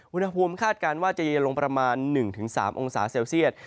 คาดการณ์ว่าจะเย็นลงประมาณ๑๓องศาเซลเซียต